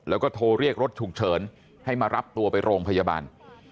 แล้วก็โทรเรียกรถฉุกเฉินให้มารับตัวไปโรงพยาบาล